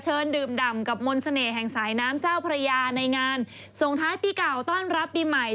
ดื่มดำกับมนต์เสน่ห์แห่งสายน้ำเจ้าพระยาในงานส่งท้ายปีเก่าต้อนรับปีใหม่